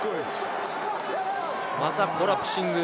またコラプシング。